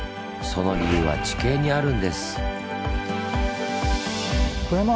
その理由は地形にあるんです。